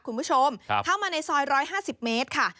คุณผู้ชมเข้ามาในซอย๑๕๐เมตรค่ะ